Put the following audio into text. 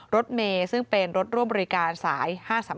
รถเมย์ซึ่งเป็นรถร่วมบริการสาย๕๓๓